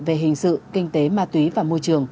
về hình sự kinh tế ma túy và môi trường